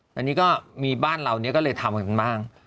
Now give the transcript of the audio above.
ตอนนี้ก็มีบ้านเราก็เลยทำกันบ้าง